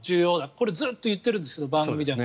これはずっと言っているんですけど番組でも。